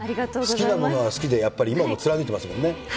好きなものは好きでやっぱりいいものを貫いていますからね。